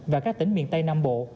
và các tỉnh miền tây nam bộ